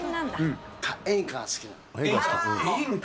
演歌が好きなの。